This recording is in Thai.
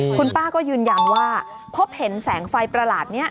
คุณป้าก็ยืนยันว่าพบเห็นแสงไฟประหลาดนี้